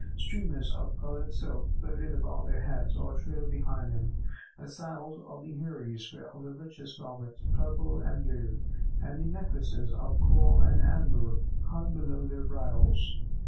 Streamers of coloured silk floated above their heads or trailed behind them; the saddles of the Heiries were of the richest velvet, purple and blue, and necklaces of coral and amber hung below their bridles.